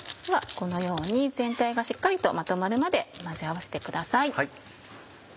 このように全体がしっかりとまとまるまで混ぜ合わせてください。